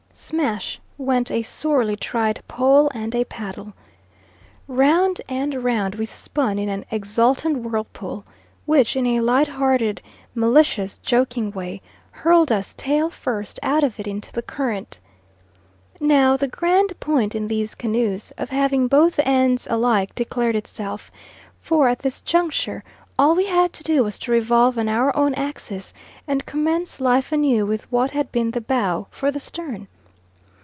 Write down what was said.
Smash went a sorely tried pole and a paddle. Round and round we spun in an exultant whirlpool, which, in a light hearted, maliciously joking way, hurled us tail first out of it into the current. Now the grand point in these canoes of having both ends alike declared itself; for at this juncture all we had to do was to revolve on our own axis and commence life anew with what had been the bow for the stern.